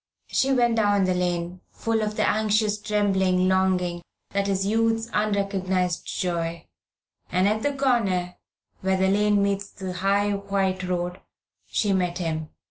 She went down the lane, full of the anxious trembling longing that is youth's unrecognised joy, and at the corner, where the lane meets the high white road, she met him.